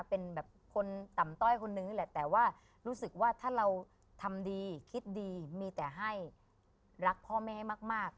เป็นแบบคนต่ำต้อยคนนึงแหละแต่ว่ารู้สึกว่าถ้าเราทำดีคิดดีมีแต่ให้รักพ่อแม่ให้มาก